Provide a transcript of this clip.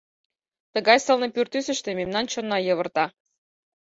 Тыгай сылне пӱртӱсыштӧ мемнан чонна йывырта...